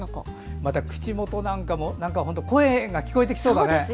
また口元なんかも声が聞こえてきそうだね。